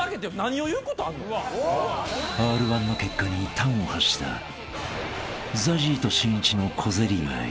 ［Ｒ−１の結果に端を発したＺＡＺＹとしんいちの小競り合い］